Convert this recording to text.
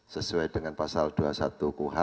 sesuai dengan pasal dua puluh satu kuhp